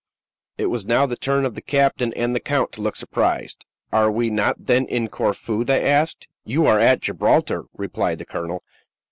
It was now the turn of the captain and the count to look surprised. "Are we not, then, in Corfu?" they asked. "You are at Gibraltar," replied the colonel.